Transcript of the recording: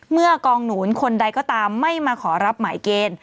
เมื่อกองหนุนคนใดก็ตามไม่มาขอรับหมายเกณฑ์